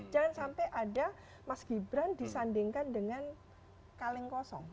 jangan sampai ada mas gibran disandingkan dengan kaleng kosong